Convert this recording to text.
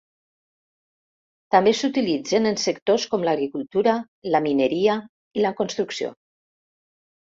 També s'utilitzen en sectors com l'agricultura, la mineria i la construcció.